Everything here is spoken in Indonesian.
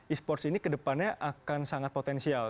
esports ini kedepannya akan sangat potensial